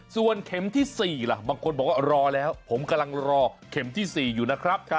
ส่วนเข็มที่๔ล่ะบางคนบอกว่ารอแล้วผมกำลังรอเข็มที่๔อยู่นะครับ